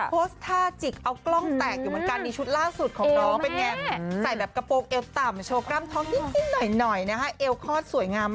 โคสทาจิกเอากล้องแตกอยู่เหมือนการมีชุดล่าสุดของน้อง